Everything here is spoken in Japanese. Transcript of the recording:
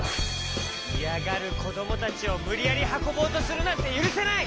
いやがるこどもたちをむりやりはこぼうとするなんてゆるせない！